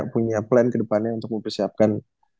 punya plan kedepannya untuk mempersiapkan